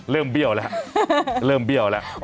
เบี้ยวแล้วเริ่มเบี้ยวแล้ว